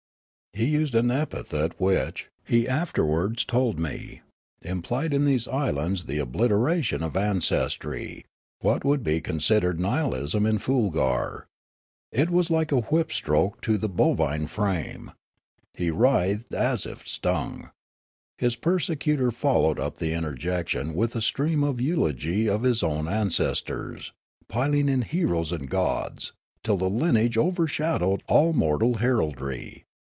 He used an epithet which, he afterwards told me, implied in these islands the obliteration of ances try, what would be considered nihilism in Foolgar. It was like a whip stroke to the bovine frame. He writhed as if stung. His persecutor followed up the interjection with a stream of eulog3^ of his own ances tors, piling in heroes and gods, till the lineage over shadowed all mortal heraldrj'.